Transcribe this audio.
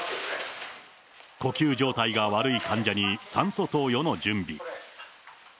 呼吸状態が悪い患者に酸素投与の準備。